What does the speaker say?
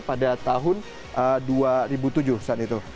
pada tahun dua ribu tujuh saat itu